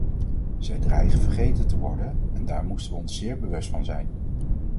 Zij dreigen vergeten te worden en daar moeten we ons zeer bewust van zijn.